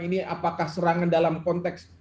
ini apakah serangan dalam konteks